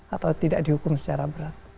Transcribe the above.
atau tidak dihukum secara berat